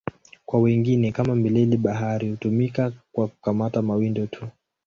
Kwa wengine, kama mileli-bahari, hutumika kwa kukamata mawindo tu.